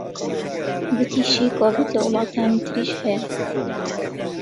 گوتیشی کۆڤید لە وڵاتانی تریش هەیە